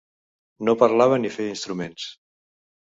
No parlava ni feia instruments.